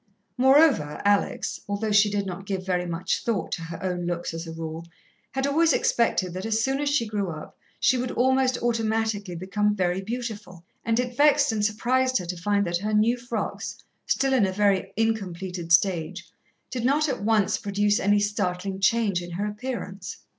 Moreover, Alex, although she did not give very much thought to her own looks as a rule, had always expected that as soon as she grew up she would almost automatically become very beautiful, and it vexed and surprised her to find that her new frocks, still in a very incompleted stage, did not at once produce any startling change in her appearance.